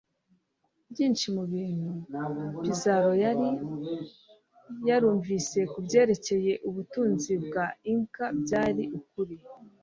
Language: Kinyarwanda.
byinshi mubintu pizzaro yari yarumvise kubyerekeye ubutunzi bwa inca byari ukuri